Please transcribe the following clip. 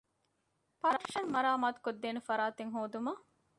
ޕާޓިޝަން މަރާމާތުކޮށްދޭނެ ފަރާތެއް ހޯދުމަށް